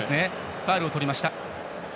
ファウルを取りました。